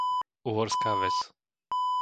Uhorská Ves